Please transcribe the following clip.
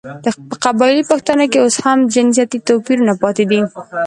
په قبايلي پښتانو کې اوس هم جنسيتي تواپيرونه پاتې دي .